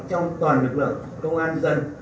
trong toàn lực lượng công an dân